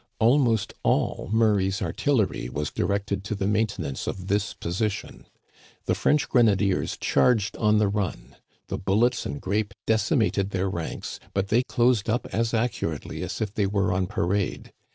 Almost all Murray's artillery was directed to the maintenance of this position. The French grenadiers charged on the run. The bullets and grape decimated their ranks, but they closed up as accurately as if they were on parade.